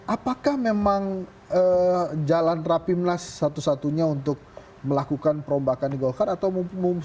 apakah memang jalan rapimlah satu satunya untuk melakukan perombakan golkar atau mungkin